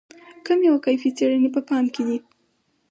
کمي او کیفي څېړنې په پام کې دي.